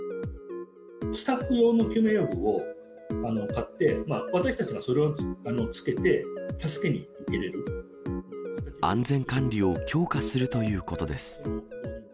スタッフ用の救命道具を買って、私たちがそれをつけて、安全管理を強化するということです。